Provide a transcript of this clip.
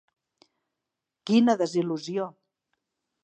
Quina desil·lusió.